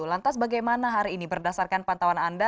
lantas bagaimana hari ini berdasarkan pantauan anda